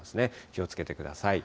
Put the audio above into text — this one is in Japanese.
気をつけてください。